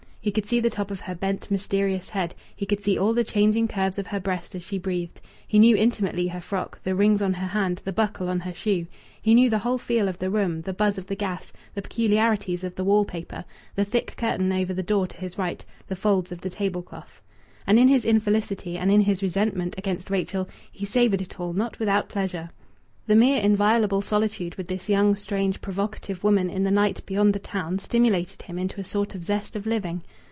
He could see the top of her bent, mysterious head; he could see all the changing curves of her breast as she breathed. He knew intimately her frock, the rings on her hand, the buckle on her shoe. He knew the whole feel of the room the buzz of the gas, the peculiarities of the wall paper, the thick curtain over the door to his right, the folds of the table cloth. And in his infelicity and in his resentment against Rachel he savoured it all not without pleasure. The mere inviolable solitude with this young, strange, provocative woman in the night beyond the town stimulated him into a sort of zest of living.